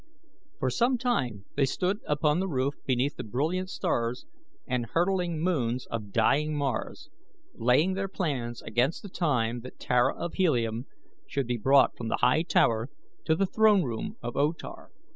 For some time they stood upon the roof beneath the brilliant stars and hurtling moons of dying Mars, laying their plans against the time that Tara of Helium should be brought from the high tower to the throne room of O Tar.